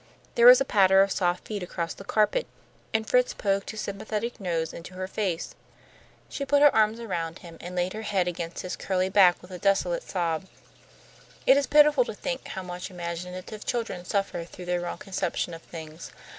There was a patter of soft feet across the carpet, and Fritz poked his sympathetic nose into her face. She put her arms around him, and laid her head against his curly back with a desolate sob. It is pitiful to think how much imaginative children suffer through their wrong conception of things.